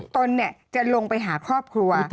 ตนเนี่ยจะลงไปหาครอบครัว